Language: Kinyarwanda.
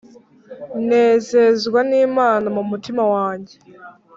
Nezezwa nimana mumutima wanjye